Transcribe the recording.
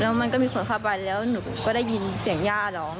แล้วมันก็มีคนเข้าไปแล้วหนูก็ได้ยินเสียงย่าร้อง